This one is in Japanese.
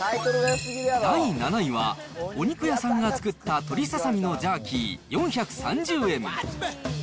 第７位は、お肉屋さんが作った鶏ササミのジャーキー４３０円。